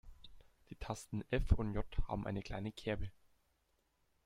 Die Tasten F und J haben eine kleine Kerbe.